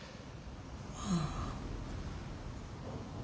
ああ。